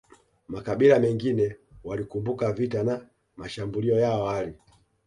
Makabila mengine walikumbuka vita na mashambulio ya awali